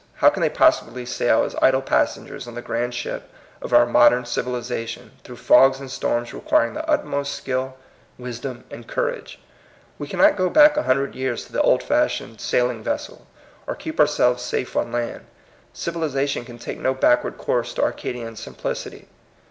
How can they possibly sail as idle passengers on the grand ship of our modern civilization, through fogs and storms requir ing the utmost skill, wisdom, and courage ? We cannot go back a hundred years to the old fashioned sailing vessel, or keep our selves safe on land. Civilization can take no backward course to Arcadian simplicity.